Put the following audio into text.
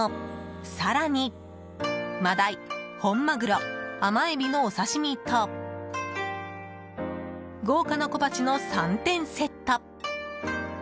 更に真鯛、本マグロ甘エビのお刺し身と豪華な小鉢の３点セット。